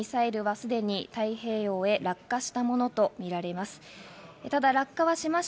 ただ、ミサイルはすでに太平洋へ落下したものとみられます。